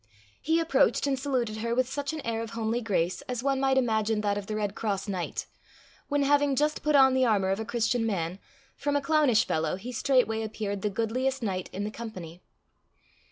He approached and saluted her with such an air of homely grace as one might imagine that of the Red Cross Knight, when, having just put on the armour of a Christian man, from a clownish fellow he straightway appeared the goodliest knight in the company.